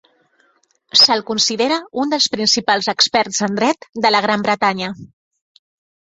Se'l considera un dels principals experts en Dret de la Gran Bretanya.